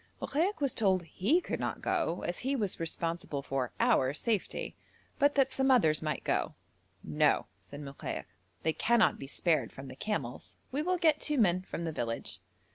Mokaik was told he could not go as he was responsible for our safety, but that some others might go. 'No,' said Mokaik, 'they cannot be spared from the camels; we will get two men from the village.'